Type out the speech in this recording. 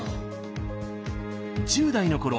１０代のころ